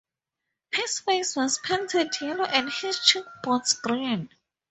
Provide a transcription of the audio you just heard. His face was painted yellow and his cheekbones green.